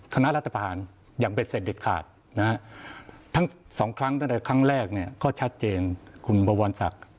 คณะรัฐประหารอย่างเบ็ดเสร็จเด็ดขาดนะฮะทั้งสองครั้งตั้งแต่ครั้งแรกเนี่ยก็ชัดเจนคุณบวรศักดิ์